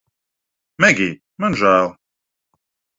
Megij, man žēl